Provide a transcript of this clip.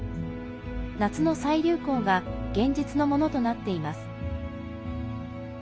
夏の再流行が現実のものとなっています。